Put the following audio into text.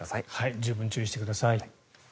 十分注意してください。